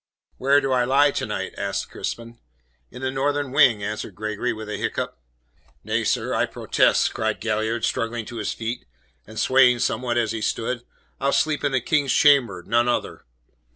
"Where do I lie to night?" asked Crispin. "In the northern wing," answered Gregory with a hiccough. "Nay, sir, I protest," cried Galliard, struggling to his feet, and swaying somewhat as he stood. "I'll sleep in the King's chamber, none other."